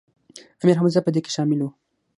امیر حمزه په دې کې شامل و.